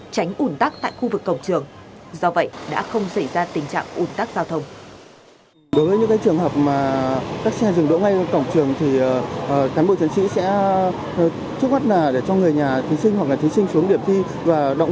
tránh ủn tắc tại khu vực cổng trường do vậy đã không xảy ra tình trạng ủn tắc giao thông